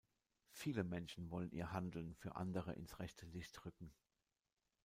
Viele Menschen wollen ihr Handeln für andere ins rechte Licht rücken.